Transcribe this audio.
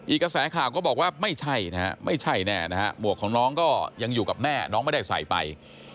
อีกกระแสข่าก็บอกว่าไม่ใช่นะครับหมวกของน้องก็ยังอยู่กับแม่น้องไม่ได้ใส่ไป